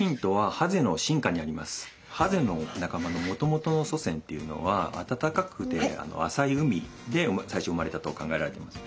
ハゼの仲間のもともとの祖先っていうのはあたたかくて浅い海で最初生まれたと考えられています。